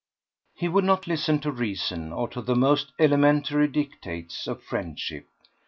He would not listen to reason or to the most elementary dictates of friendship.